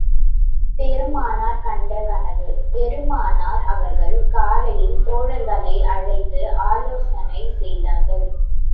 பெருமானார் கண்ட கனவு பெருமானார் அவர்கள் காலையில், தோழர்களை அழைத்து ஆலோசனை செய்தார்கள்.